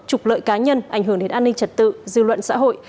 trục lợi cá nhân ảnh hưởng đến an ninh trật tự dư luận xã hội